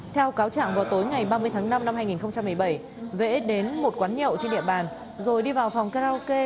theo cáo trạng vào tối ngày ba mươi tháng năm năm hai nghìn một mươi bảy vẽ đến một quán nhậu trên địa bàn rồi đi vào phòng karaoke